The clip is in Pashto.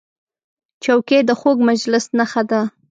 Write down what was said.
چوکۍ د خوږ مجلس نښه ده.